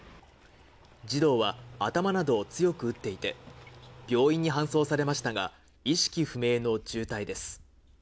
児童は頭などを強く打っていて、病院に搬送されましたが、意識不明の重体です。